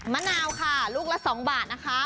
มะนาวค่ะลูกละ๒บาทนะคะ